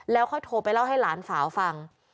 แล้วเค้าโทรไปเล่าให้หลานฝาวฟัง